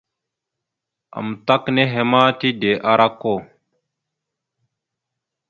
Amətak nehe ma tide ara okko.